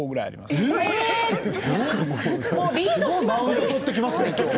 すごいマウントとってきますね今日。